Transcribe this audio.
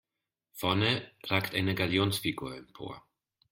Vorne ragt eine Galionsfigur empor.